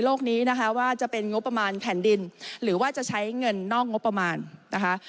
นี้นะคะว่าจะเป็นงบประมาณแผ่นดินหรือว่าจะใช้เงินนอกงบประมาณนะคะ